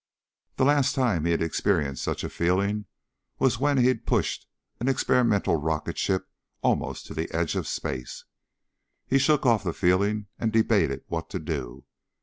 The last time he had experienced such a feeling was when he'd pushed an experimental rocket ship almost to the edge of space. He shook off the feeling and debated what to do.